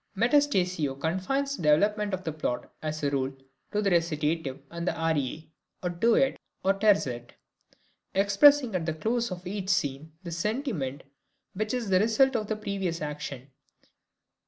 Metastasio confines the development of the plot as a rule to the recitative and the arie (or duet, or terzet), expressing at the close of each scene the sentiment which is the result of the previous action.